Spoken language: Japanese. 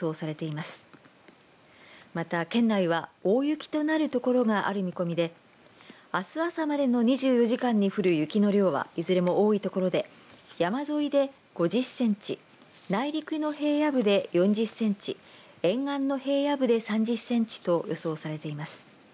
また、県内は大雪となる所がある見込みであす朝までの２４時間に降る雪の量はいずれも多い所で山沿いで５０センチ内陸の平野部で４０センチ沿岸の平野部で３０センチと予想されています。